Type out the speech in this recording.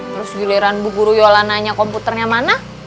terus giliran bu guru yola nanya komputernya mana